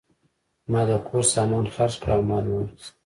ما د کور سامان خرڅ کړ او مال مې واخیست.